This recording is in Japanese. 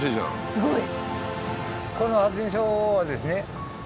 すごい。